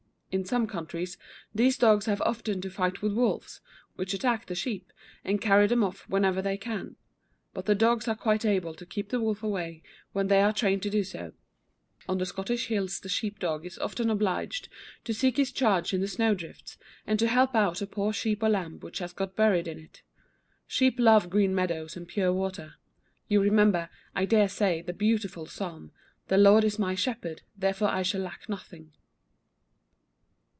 In some countries these dogs have often to fight with wolves, which attack the sheep and carry them off whenever they can; but the dogs are quite able to keep the wolf away when they are trained to do so. [Illustration: RABBITS.] On the Scottish hills the sheep dog is often obliged to seek his charge in the snow drifts, and to help get out a poor sheep or lamb which has got buried in it. Sheep love green meadows and pure water. You remember, I dare say, the beautiful Psalm, "The Lord is my shepherd, therefore I shall lack nothing."